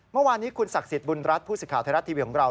เมื่อวานนี้คุณศักดิ์สิทธิ์บุญรัฐผู้สิทธิ์ไทยรัฐทีวีของเรา